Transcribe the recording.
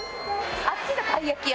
あっちがたい焼き屋。